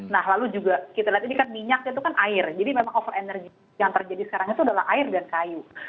nah lalu juga kita lihat ini kan minyaknya itu kan air jadi memang over energy yang terjadi sekarang itu adalah air dan kayu